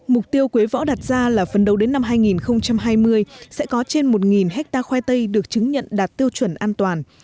mục tiêu quế võ đặt ra là phần đầu đến năm hai nghìn hai mươi sẽ có trên một hectare khoai tây được chứng nhận đạt tiêu chuẩn an toàn